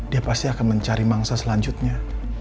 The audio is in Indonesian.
dia pasti akan mencari mangsa selanjutnya